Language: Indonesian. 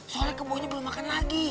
soalnya kebunnya belum makan lagi